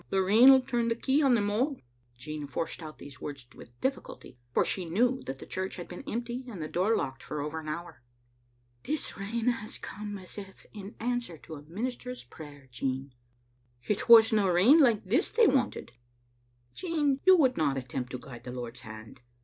The rain'U turn the key on them all." Jean forced out these words with difl5culty, for she knew that the church had been empty and the door locked for over an hour. " This rain has come as if in answer to the minister's prayer, Jean." It wasna rain like this they wanted. " "Jean, you would not attempt to guide the Lord's hand.